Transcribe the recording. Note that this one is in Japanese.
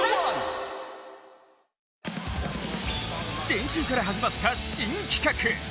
先週から始まった新企画。